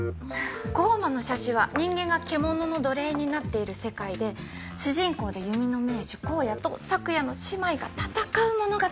『降魔の射手』は人間が獣の奴隷になっている世界で主人公で弓の名手光矢と咲耶の姉妹が闘う物語です。